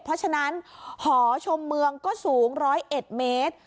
เพราะฉะนั้นหอชมเมืองก็สูงร้อยเอ็ดเมตร